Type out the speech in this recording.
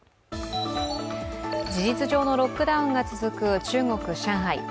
事実上のロックダウンが続く中国・上海。